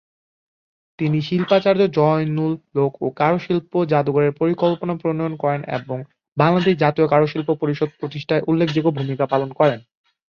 তিনি শিল্পাচার্য জয়নুল লোক ও কারুশিল্প জাদুঘরের পরিকল্পনা প্রণয়ন করেন এবং বাংলাদেশ জাতীয় কারুশিল্প পরিষদ প্রতিষ্ঠায় উল্লেখযোগ্য ভূমিকা পালন করেন।